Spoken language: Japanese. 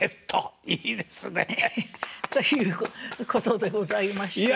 ということでございました。